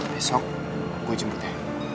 besok gue jemput ya